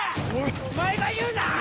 お前が言うなぁ！